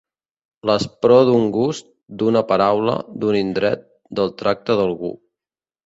L'aspror d'un gust, d'una paraula, d'un indret, del tracte d'algú.